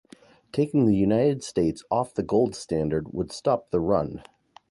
Taking the United States off the gold standard would stop the run.